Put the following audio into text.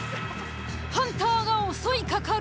ハンターが襲いかかる。